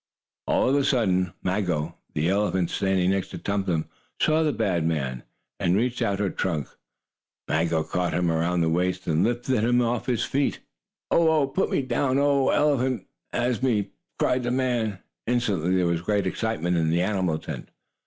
All of a sudden Maggo, the elephant standing next to Tum Tum, saw the bad man, and, reaching out her trunk, Maggo caught him around the waist, and lifted him off his feet. "Oh! Oh! Put me down! Oh, an elephant has me!" cried the man. Instantly there was great excitement in the animal tent.